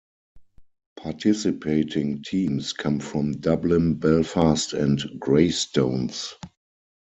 Participating teams come from Dublin, Belfast and Greystones.